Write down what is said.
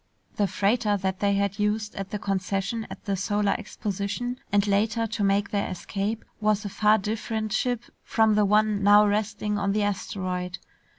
The freighter that they had used at the concession at the Solar Exposition and later to make their escape was a far different ship from the one now resting on the asteroid.